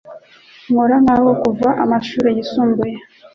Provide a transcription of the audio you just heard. Nkora hano kuva amashuri yisumbuye .